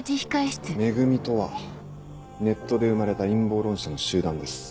「め組」とはネットで生まれた陰謀論者の集団です。